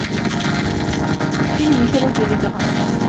তিনি মিশরে প্রেরিত হন।